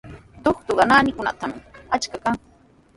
Trutrwaqa naanikunatrawmi achka kan.